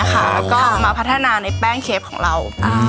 แล้วก็มาพัฒนาในแป้งเคฟของเรา